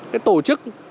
cái tổ chức